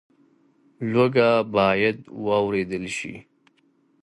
لوږه باید واورېدل شي.